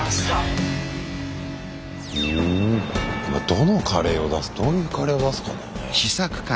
どのカレーを出すどういうカレーを出すかだよね。